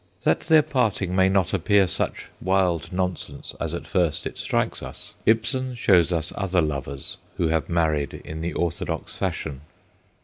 That their parting may not appear such wild nonsense as at first it strikes us, Ibsen shows us other lovers who have married in the orthodox fashion.